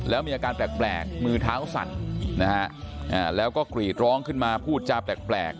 แล้วมีอาการแปลกมือเท้าสั่นนะฮะแล้วก็กรีดร้องขึ้นมาพูดจาแปลก